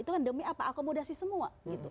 itu kan demi apa akomodasi semua